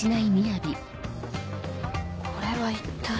これは一体。